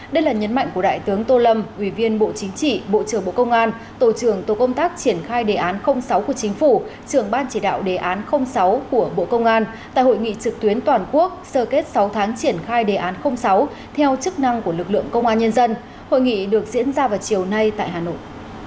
đây là nhấn mạnh của đại tướng tô lâm ủy viên bộ chính trị bộ trưởng bộ công an tổ trưởng tổ công tác triển khai đề án sáu của chính phủ trưởng ban chỉ đạo đề án sáu của bộ công an tại hội nghị trực tuyến toàn quốc sơ kết sáu tháng triển khai đề án sáu theo chức năng của lực lượng công an nhân dân hội nghị được diễn ra vào chiều nay tại hà nội